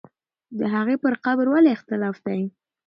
د هغې پر قبر ولې اختلاف دی؟